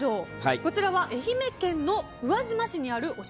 こちらは愛媛県宇和島市にあるお城。